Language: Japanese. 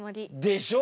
でしょ？